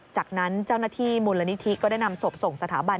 จากนั้นเจ้าหน้าที่มูลนิธิก็ได้นำศพส่งสถาบัน